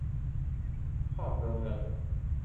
เข้าอำเภอเมือง